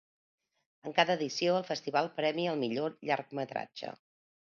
En cada edició el festival premia al millor llargmetratge.